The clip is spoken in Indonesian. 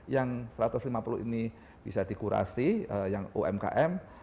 yang satu ratus lima puluh ini bisa dikurasi yang umkm